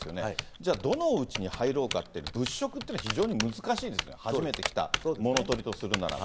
じゃあ、どのうちに入ろうかって、物色っていうのは非常に難しいですね、初めて来た物取りとするならば。